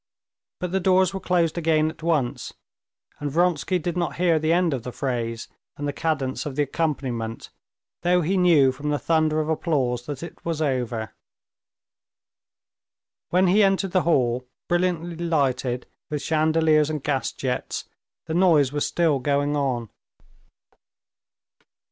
But the doors were closed again at once, and Vronsky did not hear the end of the phrase and the cadence of the accompaniment, though he knew from the thunder of applause that it was over. When he entered the hall, brilliantly lighted with chandeliers and gas jets, the noise was still going on.